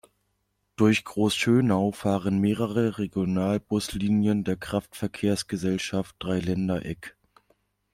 Durch Großschönau fahren mehrere Regionalbuslinien der Kraftverkehrsgesellschaft Dreiländereck.